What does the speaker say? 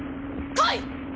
来い！